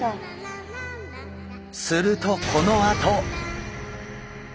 するとこのあと！